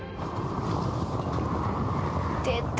出た！